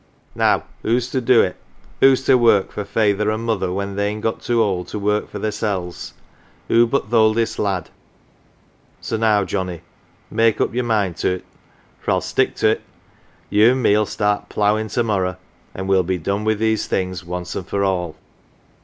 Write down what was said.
Now who's to do it ? Who's to work for feyther an' mother when they'n got too old to work for theirsels ? Who but th' oldest lad ? So now, Johnnie, make up your mind to't, for I'll stick to't. You an' me'll start ploughin' to morrow, an' we'll be done wi' these things once an' for all."